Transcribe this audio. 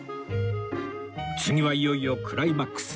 次はいよいよクライマックス